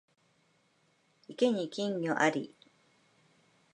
池に金魚あり